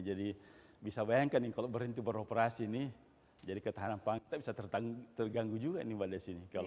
jadi bisa bayangkan kalau berinti beroperasi ini jadi ketahanan pangsa bisa terganggu juga mbak desy ini